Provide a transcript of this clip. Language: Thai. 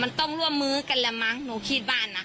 มันต้องร่วมมือกันละมั้งหนูคิดบ้านนะ